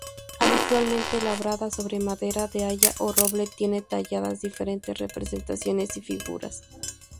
Habitualmente labrada sobre madera de haya o roble tiene talladas diferentes representaciones y figuras.